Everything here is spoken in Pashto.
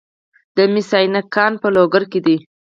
د مس عینک کان په لوګر کې دی